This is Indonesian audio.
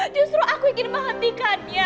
justru aku ingin menghentikannya